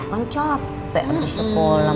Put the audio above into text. kamu capek abis sekolah